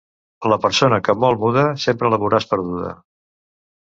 La persona que molt muda sempre la veuràs perduda.